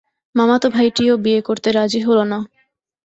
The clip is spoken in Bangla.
মামাতো ভাইটিও বিয়ে করতে রাজি হল না।